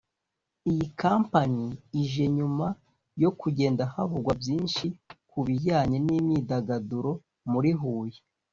Iyi campaign ije nyuma yo kugenda havugwa byinshi kubijyanye n’imyidagaduro muri Huye